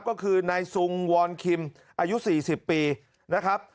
ก็คือนายซุงวอนคิมอายุ๔๐ปีนะครับ